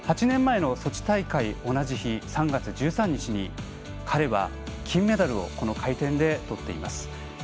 ８年前のソチ大会同じ日、３月１３日に彼は、金メダルをこの回転でとっています。